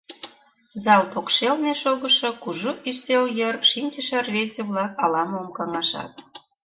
Зал покшелне шогышо кужу ӱстел йыр шинчыше рвезе-влак ала-мом каҥашат.